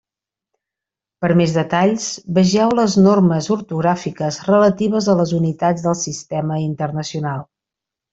Per més detalls, vegeu les normes ortogràfiques relatives a les unitats del Sistema Internacional.